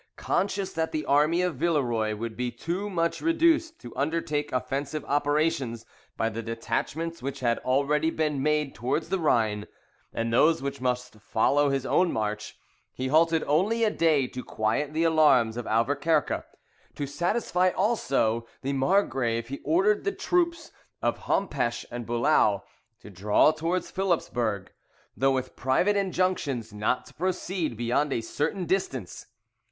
Conscious that the army of Villeroy would be too much reduced to undertake offensive operations, by the detachments which had already been made towards the Rhine, and those which must follow his own march, he halted only a day to quiet the alarms of Auverquerque. To satisfy also the margrave he ordered the troops of Hompesch and Bulow to draw towards Philipsburg, though with private injunctions not to proceed beyond a certain distance.